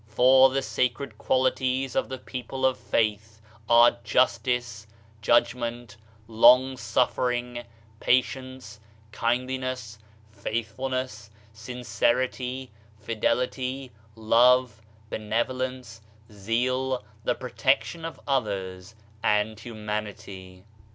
For, the sacred quali ties of the people of Faith are justice, judgment, long suffering, patience, kindliness, faithfulness, sincerity, fidelity, love, benevolence, zeal, the pro tection of others, and Humanity.